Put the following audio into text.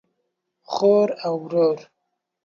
خور او ورور